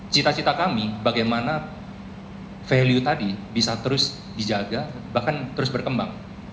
cita cita kami bagaimana value tadi bisa terus dijaga bahkan terus berkembang